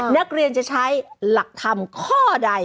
นักเรียนจะใช้หลักธรรมข้อใด